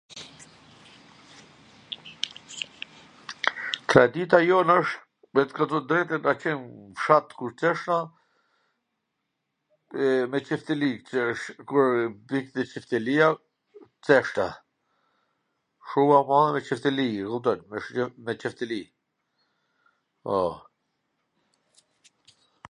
Tradita jon asht, me t thwn tw drejtwn atje n fshat kur qesha, me Cifteli, qw wsht kur bi Ciftelia, t thjeshta, shum a pak me Cifteli a kupton, me Cifteli, po...